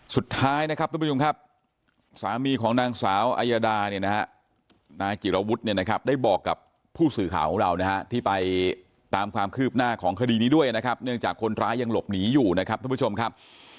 สุดท้ายนะครับทุกผู้ชมครับสามีของนางสาวอายาดาเนี่ยนะฮะนายจิรวุฒิเนี่ยนะครับได้บอกกับผู้สื่อข่าวของเรานะฮะที่ไปตามความคืบหน้าของคดีนี้ด้วยนะครับเนื่องจากคนร้ายยังหลบหนีอยู่นะครับทุกผู้ชมครับ